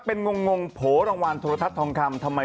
เป็นงงโผล่รางวัลทุระทัศน์ทองคำ